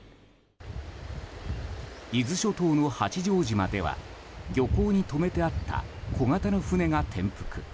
伊豆諸島の八丈島では漁港に止めてあった小型の船が転覆。